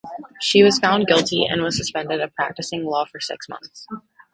She was found guilty and was suspended of practicing law for six months.